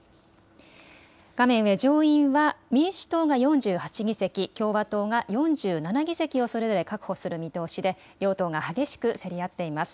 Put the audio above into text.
画面上、上院は民主党が４８議席、共和党が４７議席をそれぞれ確保する見通しで両党が激しく競り合っています。